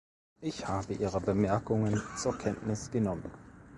Ich habe Ihre Bemerkungen zur Kenntnis genommen.